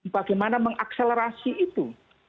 bagaimana mengakselerasi itu